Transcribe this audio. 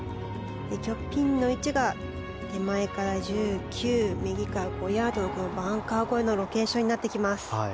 今日ピンの位置が手前から１９右から５ヤードバンカー越えのロケーションになってきます。